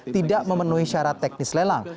tidak memenuhi syarat teknis lelang